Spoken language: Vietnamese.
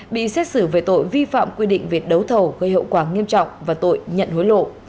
bị xét xử về tội vi phạm quy định về đấu thầu gây hậu quả nghiêm trọng và tội nhận hối lộ